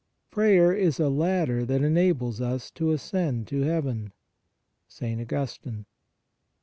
Prayer is a ladder that enables us to ascend to heaven (St. Augustine).